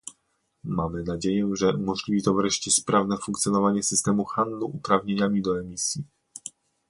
Mamy nadzieję, że umożliwi to wreszcie sprawne funkcjonowanie systemu handlu uprawnieniami do emisji